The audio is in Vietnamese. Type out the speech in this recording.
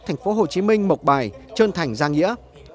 tp hcm mộc bài trân thành giang nghĩa